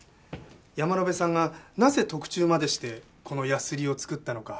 山野辺さんがなぜ特注までしてこのヤスリを作ったのか。